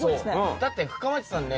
だって深町さんね